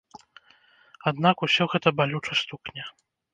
Аднак, усё гэта балюча стукне.